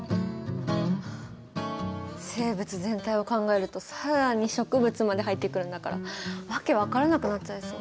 生物全体を考えると更に植物まで入ってくるんだから訳分からなくなっちゃいそう。